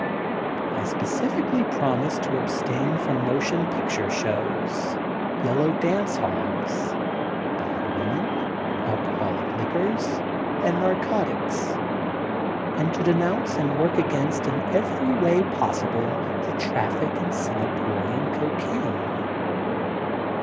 I specifically promise to abstain from motion picture shows, yellow dance halls, bad women, alcoholic liquors and nar cotics, and to denounce and work against in every way possible the trafl&c in Singaporian cocaine.